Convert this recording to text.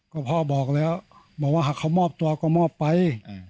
ก็พ่อบอกแล้วบอกว่าหากเขามอบตัวก็มอบไป